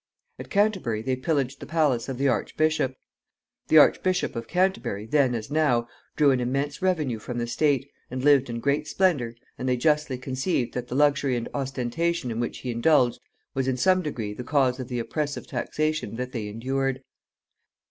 At Canterbury they pillaged the palace of the archbishop. The Archbishop of Canterbury, then as now, drew an immense revenue from the state, and lived in great splendor, and they justly conceived that the luxury and ostentation in which he indulged was in some degree the cause of the oppressive taxation that they endured.